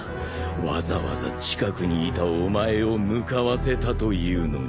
わざわざ近くにいたお前を向かわせたというのに。